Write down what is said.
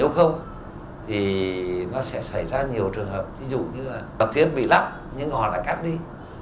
nếu không thì nó sẽ xảy ra nhiều trường hợp ví dụ như là tập thiết bị lắp nhưng họ lại cắt đi